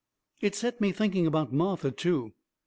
It set me to thinking about Martha, too.